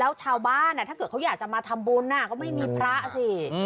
แล้วชาวบ้านถ้าเกิดเขาอยากจะมาทำบุญก็ไม่มีพระสิ